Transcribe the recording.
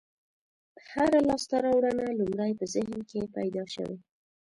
هره لاستهراوړنه لومړی په ذهن کې پیدا شوې.